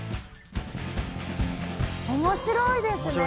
面白いですね。